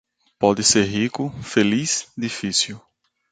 Pode ser rico, feliz - difícil.